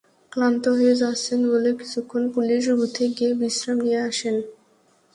ক্লান্ত হয়ে যাচ্ছেন বলে কিছুক্ষণ পুলিশ বুথে গিয়ে বিশ্রাম নিয়ে আসেন।